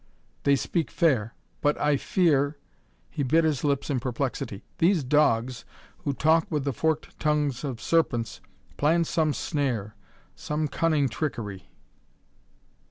They speak fair, but I fear " He bit his lips in perplexity. "These dogs, who talk with the forked tongues of serpents, plan some snare, some cunning trickery."